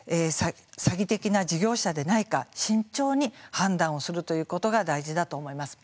詐欺的な事業者でないか慎重に判断をするということが大事だと思います。